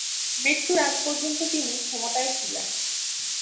মৃত্যুর আগ পর্যন্ত তিনি ক্ষমতায় ছিলেন।